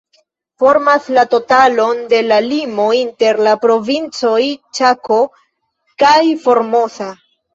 Formas la totalon de la limo inter la Provincoj Ĉako kaj Formosa.